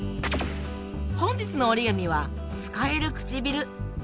本日の折り紙はつかえるくちびる。